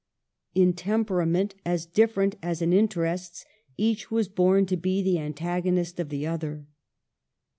In temperament as different as in interests, each was born to be the antagonist of the other.